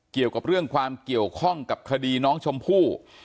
เกี่ยวกับเรื่องความเกี่ยวข้องกับคดีน้องชมพู่